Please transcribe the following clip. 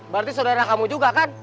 berarti saudara kamu juga kan